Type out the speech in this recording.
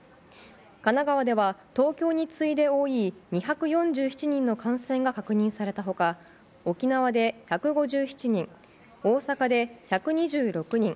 神奈川では東京に次いで多い２４７人の感染が確認された他沖縄で１５７人、大阪で１２６人